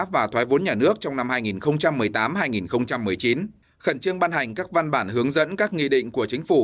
và thoái vốn nhà nước trong năm hai nghìn một mươi tám hai nghìn một mươi chín khẩn trương ban hành các văn bản hướng dẫn các nghị định của chính phủ